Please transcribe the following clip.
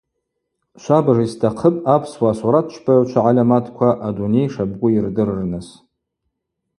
Швабыж йстахъыпӏ апсуа суратчпагӏвчва гӏальаматква адуней шабгу йырдырырныс.